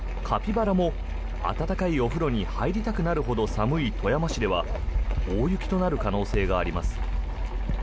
カピバラも温かいお風呂に入りたくなるほど寒い富山市では大雪となる可能性があります。